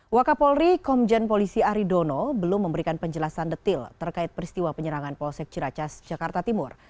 wakapolri komjen polisi aridono belum memberikan penjelasan detil terkait peristiwa penyerangan polsek ciracas jakarta timur